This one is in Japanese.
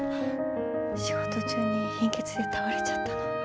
仕事中に貧血で倒れちゃったの。